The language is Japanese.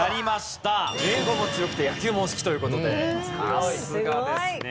英語も強くて野球もお好きという事でさすがですね。